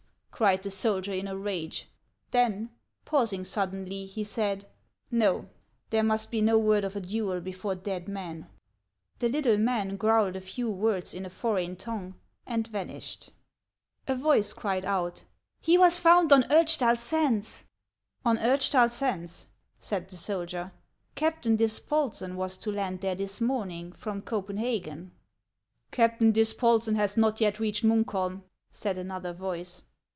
cried the soldier, in a rage. Then, pausing suddenly, he said :" Xo, there must be no word of a duel before dead men." The little man growled a few words in a foreign tongue, and vanished. HANS OF ICELAND. 33 A voice cried out :" He was found ou Urchtal Sands." " On Urchtal Sands ?" said the soldier ;" Captain Dis polsen was to land there this morning, from Copenhagen." " Captain Dispolsen has not yet reached Munkholm," said another voice.